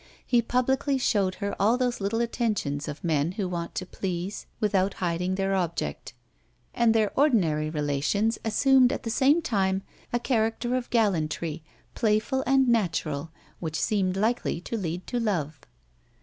He publicly showed her all those little attentions of men who want to please without hiding their object; and their ordinary relations assumed at the same time a character of gallantry, playful and natural, which seemed likely to lead to love.